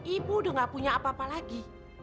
ibu udah gak punya apa apa lagi